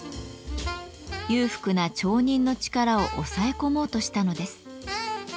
裕福な町人の力を抑え込もうとしたのです。